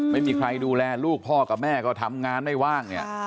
ไม่มีใครดูแลลูกพ่อกับแม่ก็ทำงานไม่ว่างเนี่ย